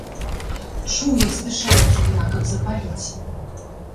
Чуў, як спяшаецца яна, каб запаліць.